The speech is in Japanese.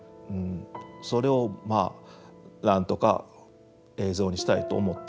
それをなんとか映像にしたいと思って。